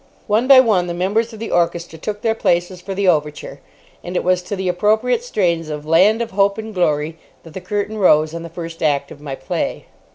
One by one the members of the orchestra took their places for the overture, and it was to the appropriate strains of "Land of Hope and Glory" that the curtain rose on the first act of my play.